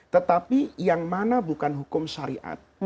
tetapi yang mana bukan hukum syariat